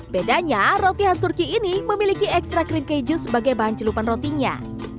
bedanya roti khas turki ini memiliki ekstra krim keju sebagai bahan celupan rotinya